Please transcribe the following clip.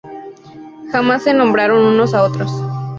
Jamás se nombraron unos a otros.